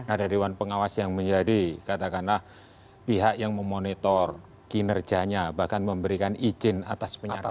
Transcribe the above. ada dewan pengawas yang menjadi katakanlah pihak yang memonitor kinerjanya bahkan memberikan izin atas penyataan